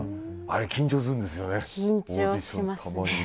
あれ、緊張するんですよね。